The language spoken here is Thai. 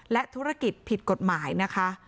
และธุรกิจผิดกฎหมายนะคะ